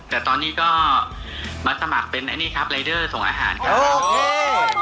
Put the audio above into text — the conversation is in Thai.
แต่ตอนนี้ก็มาสมัครเป็นไลเดอร์ส่งอาหารครับ